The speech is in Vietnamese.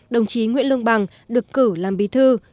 đồng chí nguyễn lương bằng được cử làm bí thư